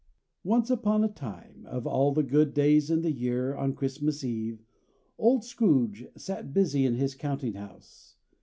Once upon a time of all the good days in the year, on Christmas Eve old Scrooge sat busy in his counting house.